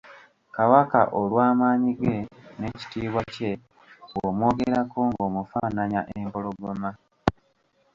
Kabaka olw’amaanyi ge n’ekitiibwa kye, bw'omwogerako ng’omufaananya empologoma.